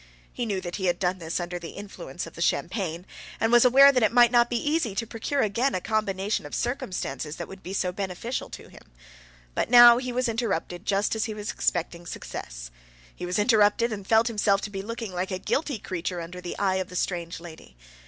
He knew that he had done this under the influence of the champagne, and was aware that it might not be easy to procure again a combination of circumstances that would be so beneficial to him. But now he was interrupted just as he was expecting success. He was interrupted, and felt himself to be looking like a guilty creature under the eye of the strange lady.